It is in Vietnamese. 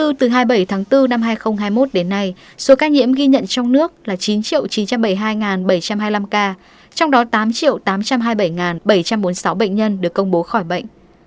từ hai mươi bảy tháng bốn năm hai nghìn hai mươi một đến nay số ca nhiễm ghi nhận trong nước là chín chín trăm bảy mươi hai bảy trăm hai mươi năm ca trong đó tám tám trăm hai mươi bảy bảy trăm bốn mươi sáu bệnh nhân được công bố khỏi bệnh